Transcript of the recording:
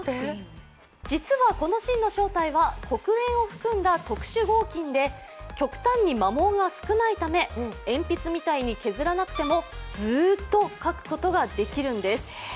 実はこの芯の正体は黒鉛を含んだ特殊合金で極端に磨耗が少ないため、鉛筆みたいに削らなくてもずーっと書くことができるんです。